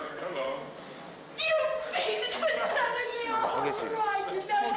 激しいな。